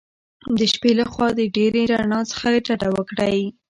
د شپې له خوا د ډېرې رڼا څخه ډډه وکړئ.